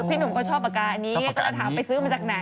คือพี่หนุ่มเขาชอบปากกาอันนี้ต้องการถามไปซื้อมันจากไหน